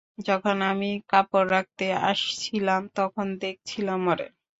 যখন আমি কাপড় রাখতে আইসিলাম, তখন দেখসিলাম ওরে।